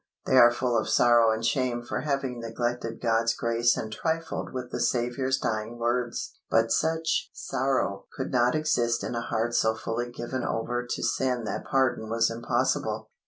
They are full of sorrow and shame for having neglected God's grace and trifled with the Saviour's dying words, but such sorrow could not exist in a heart so fully given over to sin that pardon was impossible.